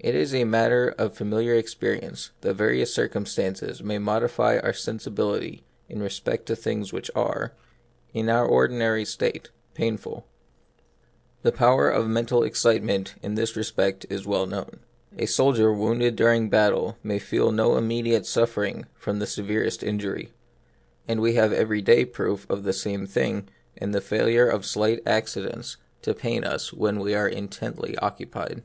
It is matter of familiar experience that various circumstances may modify our sensibility in respect to things which are, in our ordinary state, painful. The power of mental excite ment in this respect is well known. A sol dier wounded during battle may feel no im mediate suffering from the severest injury ; and we have everyday proof of the same thing in the failure of slight accidents to 34 The Mystery of Pain. pain us when we are intently occupied.